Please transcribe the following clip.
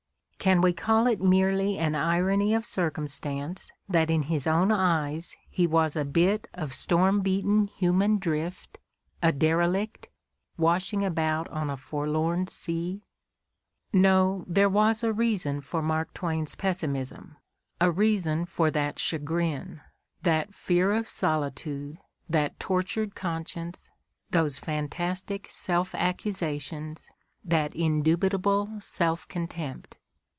Can we call it merely an irony of circum stance that in his own eyes he was a bit of storm beaten 14 The Ordeal of Mark Twain human drift, a derelict, washing about on a forlorn sea ?^ No, there was a reason for Mark Twain's pessimism, 'a reason for that chagrin, that fear of solitude, that Uortured conscience, those fantastic self accusations, that i indubitable self contempt.